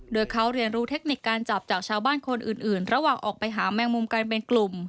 โดยเขาเรียนรู้เทคนิคการจับจากชาวบ้านคนอื่นระหว่างออกไปหาแมงมุมกันเป็นกลุ่ม